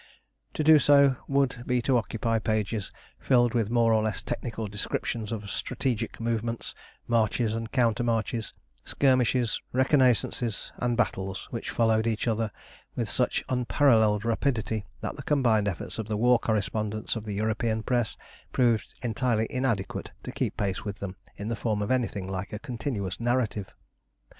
To do so would be to occupy pages filled with more or less technical descriptions of strategic movements, marches, and countermarches, skirmishes, reconnaissances, and battles, which followed each other with such unparalleled rapidity that the combined efforts of the war correspondents of the European press proved entirely inadequate to keep pace with them in the form of anything like a continuous narrative.